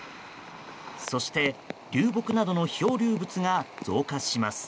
そして、流木などの漂流物が増加します。